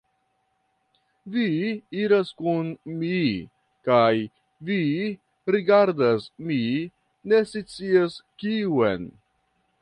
Vi iras kun mi, kaj vi rigardas mi ne scias kiun.